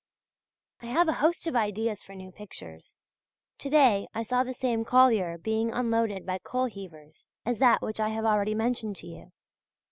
I have a host of ideas for new pictures. To day I saw the same collier being unloaded by coal heavers as that which I have already mentioned to you.